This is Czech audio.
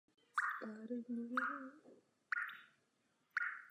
Román byl také oceněn cenou Edgar za nejlepší prvotinu.